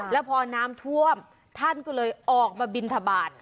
แล้วพอน้ำท่วมท่านก็เลยออกมาบินทบาท